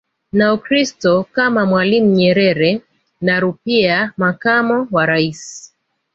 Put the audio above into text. na Ukristo kama Mwalimu Nyerere na Rupia makamo wa raisi